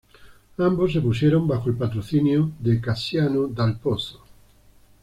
Ambos se pusieron bajo el patrocinio de Cassiano dal Pozzo.